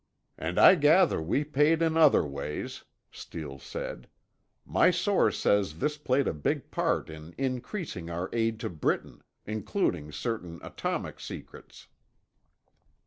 "And I gather we paid in other ways," Steele said. "My source says this played a big part in increasing our aid to Britain, including certain atomic secrets."